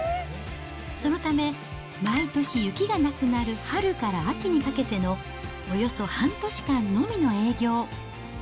そのため、毎年、雪がなくなる春から秋にかけてのおよそ半年間のみの営業。